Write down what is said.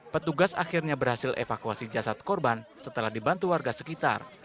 petugas akhirnya berhasil evakuasi jasad korban setelah dibantu warga sekitar